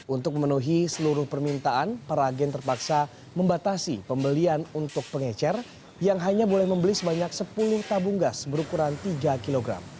untuk memenuhi seluruh permintaan para agen terpaksa membatasi pembelian untuk pengecer yang hanya boleh membeli sebanyak sepuluh tabung gas berukuran tiga kg